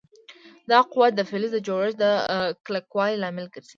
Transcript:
دا قوه د فلز د جوړښت د کلکوالي لامل ګرځي.